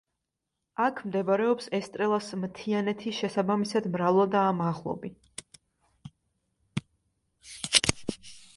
აქ მდებარეობს ესტრელას მთიანეთი შესაბამისად მრავლადაა მაღლობი.